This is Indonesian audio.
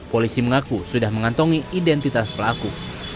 polisi mengaku sudah mengantongi identitas pelaku